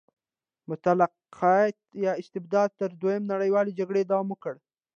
مطلقیت یا استبداد تر دویمې نړیوالې جګړې دوام وکړ.